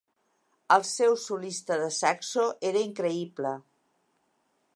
El seu solista de saxo era increïble.